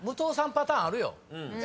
パターンあるよ。